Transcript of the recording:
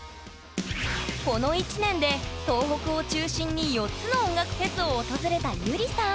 この１年で東北を中心に４つの音楽フェスを訪れたゆりさん